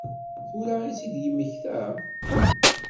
Tura i tt-id-yemmekta?